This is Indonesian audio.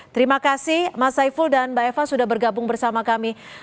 terima kasih mas saiful dan mbak eva sudah bergabung bersama kami